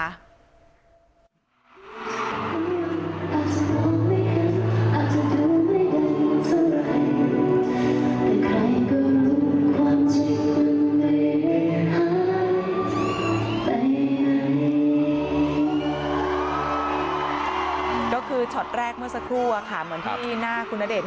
ก็คือช็อตแรกเมื่อสักครู่เหมือนที่หน้าคุณณเดชน